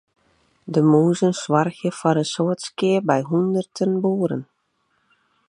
De mûzen soargje foar in soad skea by hûnderten boeren.